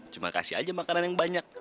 cuma kasih aja makanan yang banyak